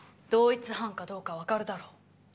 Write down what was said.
同一犯かどうかわかるだろう。